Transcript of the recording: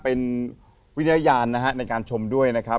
เป็นวิญญาณนะฮะในการชมด้วยนะครับ